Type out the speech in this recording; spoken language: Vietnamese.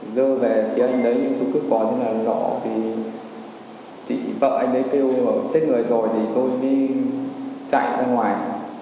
dơ về thì anh ấy rút súng cứt vào nhưng mà lỏ thì chị vợ anh ấy kêu chết người rồi thì tôi đi chạy ra ngoài